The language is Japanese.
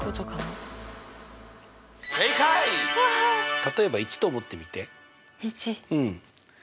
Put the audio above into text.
例えば１と思ってみて。